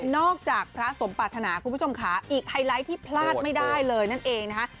จากพระสมปรารถนาคุณผู้ชมค่ะอีกไฮไลท์ที่พลาดไม่ได้เลยนั่นเองนะคะ